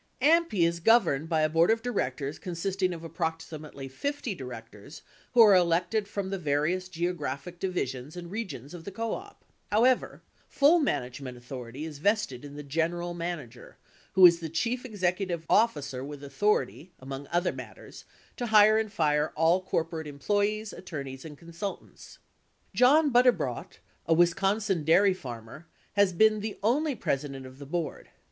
AMPI is governed by a board of directors consisting of approxi mately 50 directors who are elected from the various geographic divi sions and regions of the co op. HoAvever, full management authority is vested in the general manager, Avho is the chief executive officer with authority, among other matters, to hire and fire all corporate em ployees, attorneys, and consultants. John Butterbrodt, a Wisconsin dairy farmer, has been the only president of the board.